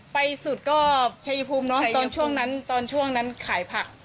ไปสุดก็ชัยภูมิเนอะตอนช่วงนั้นตอนช่วงนั้นขายผัก